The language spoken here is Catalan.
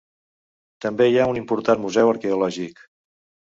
També hi ha un important museu arqueològic.